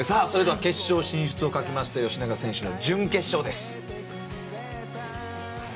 それでは決勝進出をかけました吉永選手の準決勝です。